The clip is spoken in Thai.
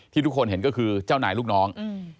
ทุกคนเห็นก็คือเจ้านายลูกน้อง